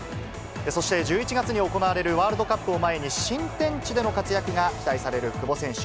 そして１１月に行われるワールドカップを前に、新天地での活躍が期待される久保選手。